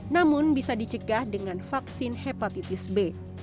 namun bisa dicegah dengan vaksin hepatitis b